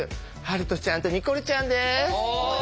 遥斗ちゃんとニコルちゃんです。